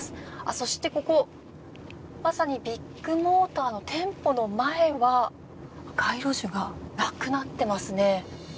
そしてここ、まさにビッグモーターの店舗の前は街路樹がなくなっていますね。